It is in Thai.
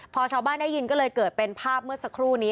พอชาวบ้านได้ยินก็เลยเกิดเป็นภาพเมื่อสักครู่นี้